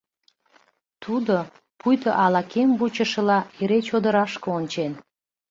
Тудо, пуйто ала-кӧм вучышыла эре чодырашке ончен.